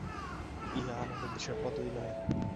ইহা আমাদের দেশের পদ্ধতি নহে।